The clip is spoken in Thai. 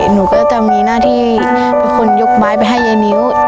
หนูก็จะมีหน้าที่เป็นคนยกไม้ไปให้ยายนิ้ว